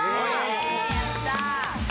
やった！